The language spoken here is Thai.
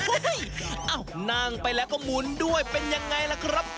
เอ้านั่งไปแล้วก็หมุนด้วยเป็นยังไงล่ะครับ